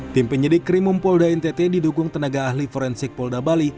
tim penyidik krimum polda ntt didukung tenaga ahli forensik polda bali